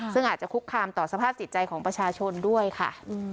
ซึ่งอาจจะคุกคามต่อสภาพจิตใจของประชาชนด้วยค่ะ